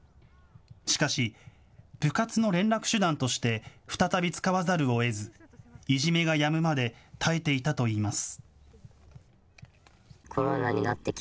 しかし、部活の連絡手段として再び使わざるをえず、いじめがやむまで耐えていたといいます。